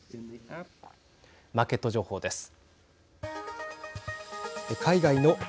マーケット情報です。